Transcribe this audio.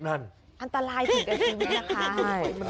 อันตรายถึงกับชีวิตนะคะ